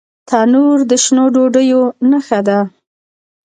تنور د شنو ډوډیو نښه ده